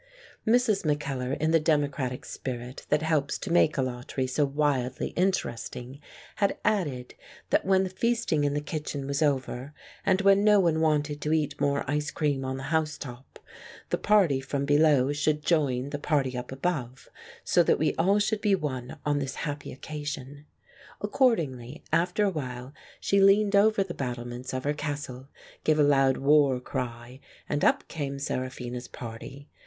Mrs. Mackellar, in the democratic spirit that helps to make Alatri so wildly interesting, had added that when the feasting in the kitchen was over, and when no one wanted to eat more ice cream on the house top, the party from below should join the party up above, so that we all should be one on this happy occasion. Accordingly, after a while she leaned over the battlements of her castle, gave a loud war cry, and up came Seraphina's party.